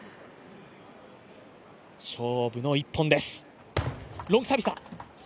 勝負の１本です。